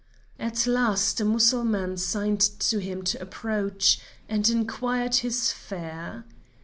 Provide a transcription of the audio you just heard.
At last a Mussulman signed to him to approach, and inquired his fare.